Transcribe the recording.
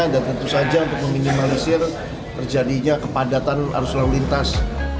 dan tentu saja untuk meminimalisir terjadinya kepadatan arus lalu lintas